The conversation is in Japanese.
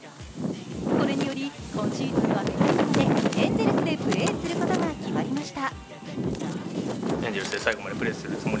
これにより今シーズンは最後までエンゼルスでプレーすることが決まりました。